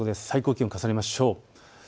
最高気温、重ねましょう。